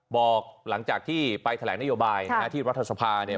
บอกหลังจากที่ไปแถลงนโยบายที่รัฐสภาเนี่ย